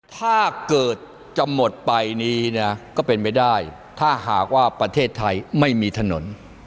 ถ้าเกิดจะหมดไปนี้นะก็เป็นไปได้ถ้าหากว่าประเทศไทยไม่มีถนน